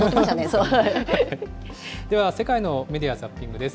では世界のメディア・ザッピングです。